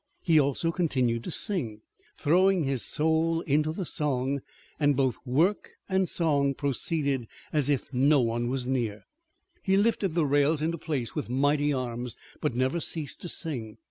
He also continued to sing, throwing his soul into the song, and both work and song proceeded as if no one was near. He lifted the rails into place with mighty arms, but never ceased to sing.